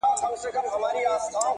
• له یخنۍ څخه ډبري چاودېدلې -